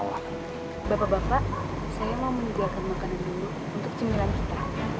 bapak bapak saya mau menyediakan makanan dulu untuk cemilan kita